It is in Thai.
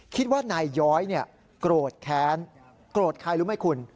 คิดว่านายย้อยโกรธแค้นโกรธใครรู้ไหมคุณ